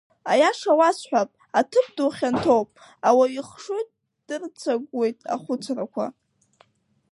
Аиаша уасҳәап, аҭыԥ ду хьанҭоуп, ауаҩы ихшыҩ дырцагәуеит ахәыцрақәа!